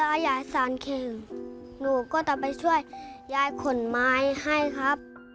ถ้ายายสารเข่งหนูก็จะไปช่วยยายขนไม้ให้ครับ